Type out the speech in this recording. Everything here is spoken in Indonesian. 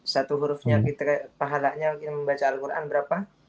satu hurufnya kita pahalanya kita membaca al quran berapa